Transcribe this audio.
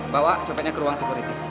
bawa copetnya ke ruang security